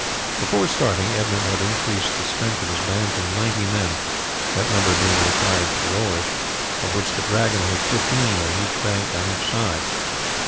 Before starting Edmund had increased the strength of his band to ninety men, that number being required for the oars, of which the Dragon had fifteen on each bank on each side.